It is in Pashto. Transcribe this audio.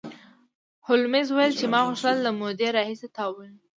هولمز وویل چې ما غوښتل له مودې راهیسې تا ووینم